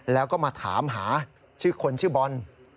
แล้วก็มาถามหาชื่อคนชื่อบอล